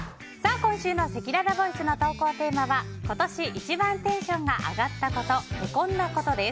今週のせきららボイスの投稿テーマは今年一番テンションが上がったこと＆へこんだことです。